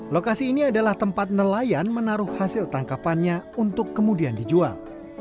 lokasi ini adalah tempat nelayan menaruh hasil tangkapannya untuk kemudian dijual